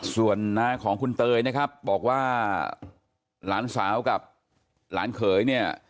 ส่วนน้าของคุณเตยนะครับบอกว่าหลานสาวกับหลานเขยเนี่ย